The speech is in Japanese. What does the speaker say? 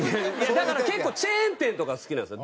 だから結構チェーン店とか好きなんですよ。